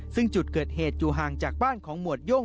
ซึ่งจุดเกิดเหตุอยู่ห่างจากบ้านของหมวดโย่ง